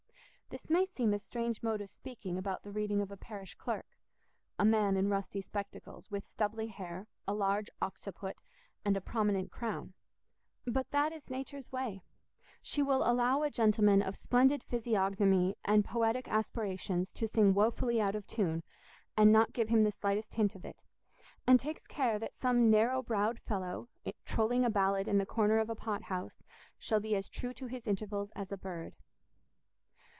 This may seem a strange mode of speaking about the reading of a parish clerk—a man in rusty spectacles, with stubbly hair, a large occiput, and a prominent crown. But that is Nature's way: she will allow a gentleman of splendid physiognomy and poetic aspirations to sing woefully out of tune, and not give him the slightest hint of it; and takes care that some narrow browed fellow, trolling a ballad in the corner of a pot house, shall be as true to his intervals as a bird.